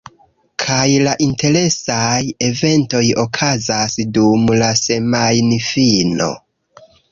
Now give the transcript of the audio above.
Kaj la interesaj eventoj okazas dum la semajnfino